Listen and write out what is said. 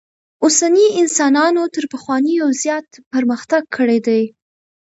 اوسني انسانانو تر پخوانیو زیات پرمختک کړی دئ.